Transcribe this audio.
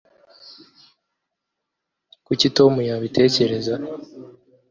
kuki tom yabitekereza